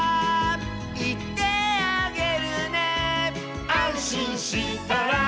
「いってあげるね」「あんしんしたら」